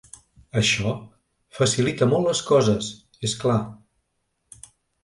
Això facilita molt les coses, és clar.